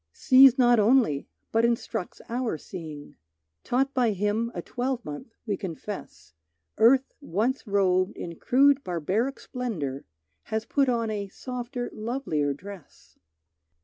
Sees not only, but instructs our seeing; Taught by him a twelvemonth, we confess Earth once robed in crude barbaric splendor, Has put on a softer lovelier dress.